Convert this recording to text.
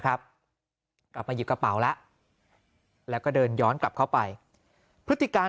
กลับมาหยิบกระเป๋าแล้วแล้วก็เดินย้อนกลับเข้าไปพฤติการ